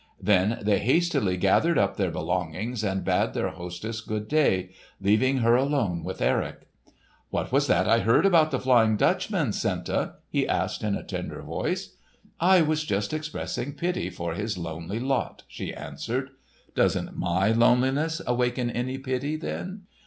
Then they hastily gathered up their belongings and bade their hostess good day, leaving her alone with Erik. "What was this I heard about the Flying Dutchman, Senta?" he asked in a tender voice. "I was just expressing pity for his lonely lot," she answered. "Doesn't my loneliness awaken any pity, then?"